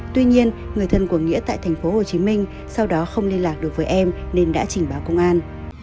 tuy nhiên người thân của nghĩa tại tp hcm sau đó không liên lạc được với em nên đã trình báo công an